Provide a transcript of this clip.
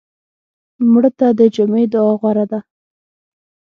مړه ته د جمعې دعا غوره ده